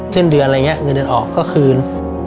สิ้นเดือนอะไรเงี้ยเงินเดือนออกก็คืน